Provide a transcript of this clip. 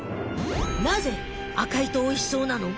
なぜ赤いとおいしそうなの？